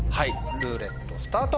ルーレットスタート。